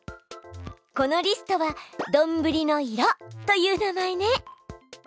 このリストは「どんぶりの色」という名前ね。